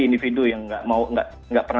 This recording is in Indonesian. di samping karena ada faktor grip tadi